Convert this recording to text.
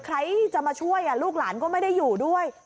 ใครจะมาช่วยลูกหลานก็ไม่ได้อยู่ด้วย